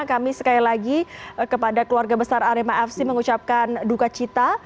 kami sekali lagi kepada keluarga besar arema fc mengucapkan duka cita